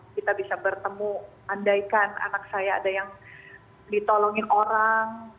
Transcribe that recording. kita bisa bertemu andaikan anak saya ada yang ditolongin orang